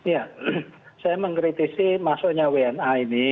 ya saya mengkritisi masuknya wna ini